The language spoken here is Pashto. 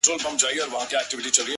څومره دي ښايست ورباندي ټك واهه-